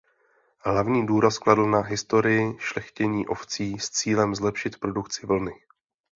Hlavní důraz kladl na historii šlechtění ovcí s cílem zlepšit produkci vlny.